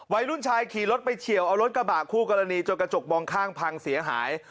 วัยรุ่นชายขี่รถไปเฉียวเอารถกระบะคู่กรณีจนกระจกมองข้างพังเสียหาย